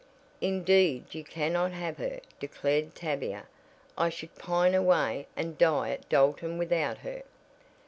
"Indeed you cannot have her," declared Tavia. "I should pine away and die at Dalton without her."